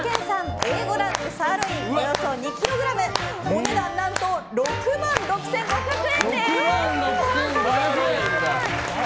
Ａ５ランクサーロインおよそ２ｋｇお値段何と６万６５００円です。